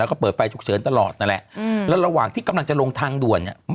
แล้วก็เปิดไฟฉุกเฉินตลอดนั่นแหละแล้วระหว่างที่กำลังจะลงทางด่วนเนี่ย